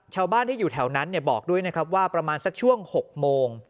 ชาวบ้านที่อยู่แถวนั้นบอกด้วยนะครับว่าประมาณสักช่วง๖โมง